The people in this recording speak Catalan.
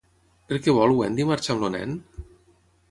Per què vol Wendy marxar amb el nen?